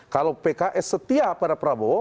kalau pks setia pada prabowo